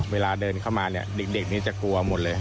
เวลาเดินเข้ามาเนี่ยเด็กนี้จะกลัวหมดเลย